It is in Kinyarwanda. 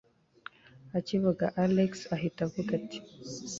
akivuga alex ahita avuga ati